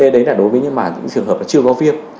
đấy là đối với những trường hợp chưa có viêm